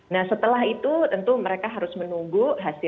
nah setelah itu tentu mereka harus menunggu hasil